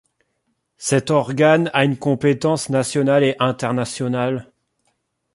Cet organe a une compétence nationale et internationale.